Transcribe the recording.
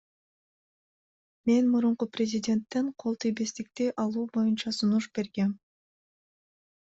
Мен мурунку президенттен кол тийбестикти алуу боюнча сунуш бергем.